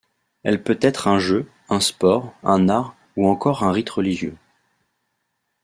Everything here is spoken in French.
Elle peut être un jeu, un sport, un art ou encore un rite religieux.